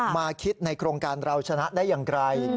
มาคิดในโครงการเราชนะได้อย่างไร